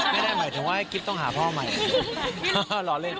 ไม่ได้หมายถึงว่ากิ๊บต้องหาพ่อใหม่ล้อเล่น